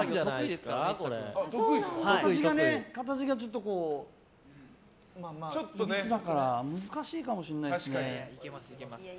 形がちょっといびつだから難しいかもしれない。